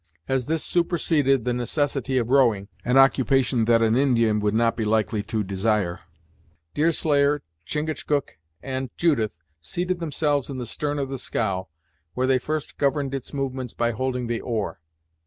As this superseded the necessity of rowing, an occupation that an Indian would not be likely to desire, Deerslayer, Chingachgook and Judith seated themselves in the stern of the scow, where they first governed its movements by holding the oar.